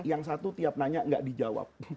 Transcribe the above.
yang satu tiap nanya nggak dijawab